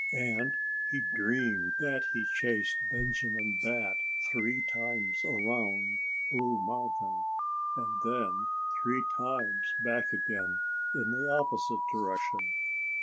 And he dreamed that he chased Benjamin Bat three times around Blue Mountain, and then three times back again, in the opposite direction.